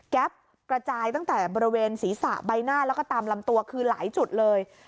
กระจายตั้งแต่บริเวณศีรษะใบหน้าแล้วก็ตามลำตัวคือหลายจุดเลย